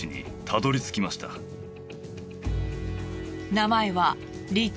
名前は。